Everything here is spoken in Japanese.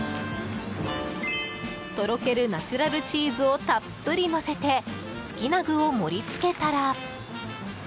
とろけるナチュラルチーズをたっぷりのせて好きな具を盛り付けたら。